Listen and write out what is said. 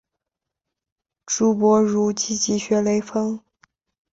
朱伯儒积极学雷锋。